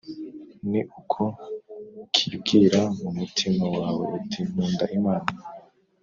Ni uko ukibwira mu mutima wawe uti Nkunda Imana